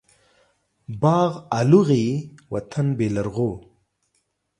باغ الو غيي ،وطن بيلرغو.